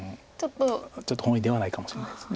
ちょっと本意ではないかもしれないです。